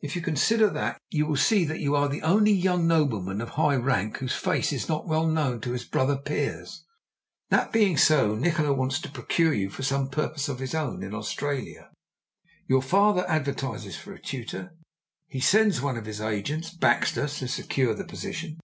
If you consider that, you will see that you are the only young nobleman of high rank whose face is not well known to his brother peers. That being so, Nikola wants to procure you for some purpose of his own in Australia. Your father advertises for a tutor; he sends one of his agents Baxter to secure the position.